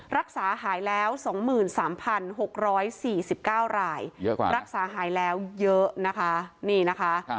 รักษาหายแล้วสองหมื่นสามพันหกร้อยสี่สิบเก้ารายรักษาหายแล้วเยอะนะคะนี่นะคะ